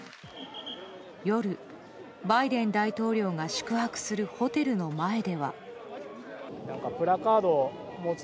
夜、バイデン大統領が宿泊するホテルの前では。